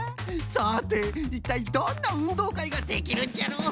さていったいどんなうんどうかいができるんじゃろう？